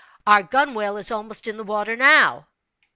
Our gunwhale is almost in the water now."